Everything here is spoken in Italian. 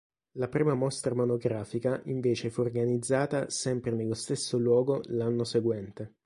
La prima mostra monografica invece fu organizzata sempre nello stesso luogo l'anno seguente.